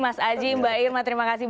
mas aji mbak irma terima kasih